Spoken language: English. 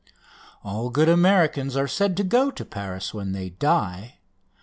All good Americans are said to go to Paris when they die.